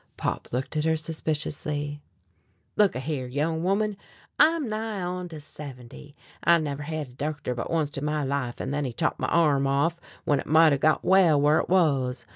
Pop looked at her suspiciously: "Look a here, young woman. I'm nigh on to seventy. I never hed a doctor but onct in my life, an' then he chopped my arm off when it might hev got well whar it wuz.